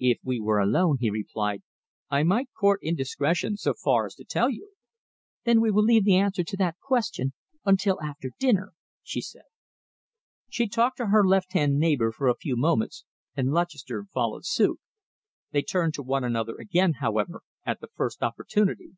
"If we were alone," he replied, "I might court indiscretion so far as to tell you." "Then we will leave the answer to that question until after dinner," she said. She talked to her left hand neighbour for a few moments, and Lutchester followed suit. They turned to one another again, however, at the first opportunity.